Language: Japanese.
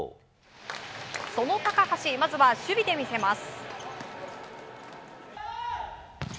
その高橋まずは守備で見せます。